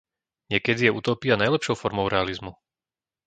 Niekedy je utópia najlepšou formou realizmu.